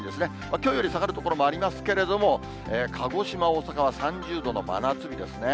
きょうより下がる所もありますけれども、鹿児島、大阪は３０度の真夏日ですね。